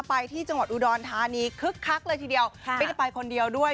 ไปที่จังหวัดอุดรธานีคึกคักเลยทีเดียวไม่ได้ไปคนเดียวด้วย